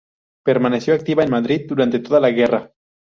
Permaneció activa en Madrid durante toda la guerra.